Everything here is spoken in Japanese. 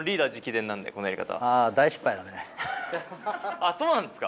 あっそうなんですか。